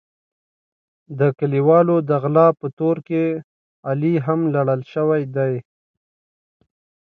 د کلیوالو د غلا په تور کې علي هم لړل شوی دی.